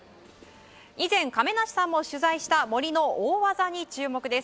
以前、亀梨さんも取材した森の大技に注目です。